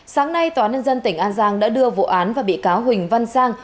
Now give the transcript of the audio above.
sáng nay tòa án nhân dân tỉnh an giang đã đưa vụ án và bị cáo huỳnh văn sang